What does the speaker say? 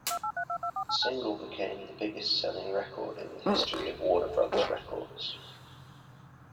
The single became the biggest selling record in the history of Warner Brothers Records.